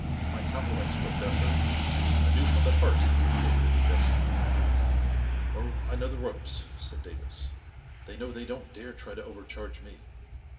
My compliments, Professor. I knew from the first that you would be a good investment." 44 Oh, I know the ropes," said Davis. <4 They know they don't dare try to overcharge me.